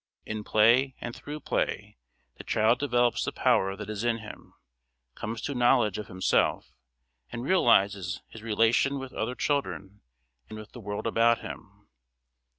In play and through play the child develops the power that is in him, comes to knowledge of himself, and realises his relation with other children and with the world about him.